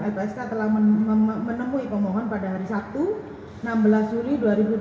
lpsk telah menemui pemohon pada hari sabtu enam belas juli dua ribu dua puluh